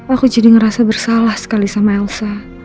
aku jadi ngerasa bersalah sekali sama elsa